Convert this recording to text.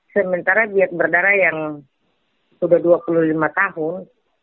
sementara diet berdarah yang sudah dua puluh lima tahun